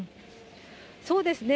そうですね。